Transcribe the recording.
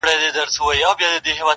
خپل ټبرشو را په یاد جهان مي هیر سو؛